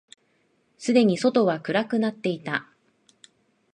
すでに外は暗くなっていた。